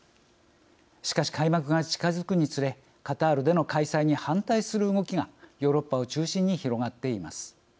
しかし、開幕が近づくにつれカタールでの開催に反対する動きがヨーロッパを中心に広がっています。